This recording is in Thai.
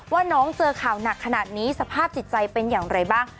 ว่าน้องเจอข่าวหนักขนาดนี้สภาพจิตใจเป็นอย่างไรบ้าง